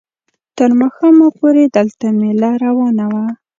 تر ماښامه پورې دلته مېله روانه وه.